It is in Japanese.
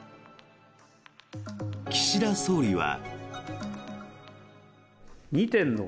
岸田総理は。